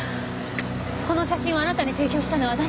この写真をあなたに提供したのは誰なの？